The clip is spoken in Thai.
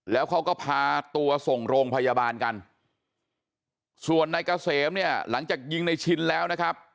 แล้วเขาก็พาตัวส่งโรงพยาบาลกันส่วนนายเกษมเนี่ยหลังจากยิงในชินแล้วนะครับ